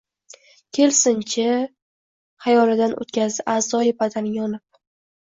«Kelsin-chi!..» Xayolidan oʼtkazdi aʼzoi badani yonib.